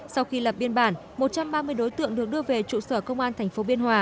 sau khi lập biên bản một trăm ba mươi đối tượng được đưa về trụ sở công an tp biên hòa